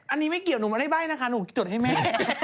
อันนี้ไม่เกี่ยวหนูไม่ได้ใบ้นะคะหนูจดให้แม่